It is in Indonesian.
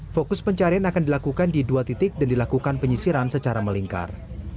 fokus pencarian akan dilakukan di dua titik dan dilakukan penyisiran secara melingkar